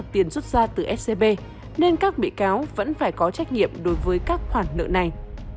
tiền rút ra từ s p nên các bị cáo vẫn phải có trách nhiệm đối với các khoản nợ này